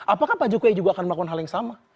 apakah pak jokowi juga akan melakukan hal yang sama